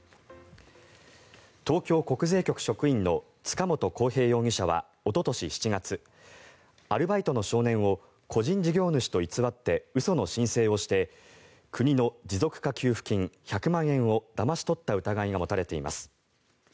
東京国税局職員の塚本晃平容疑者はおととし７月アルバイトの少年を個人事業主と偽って嘘の申請をして国の持続化給付金１００万円をだまし取った疑いが持たれています。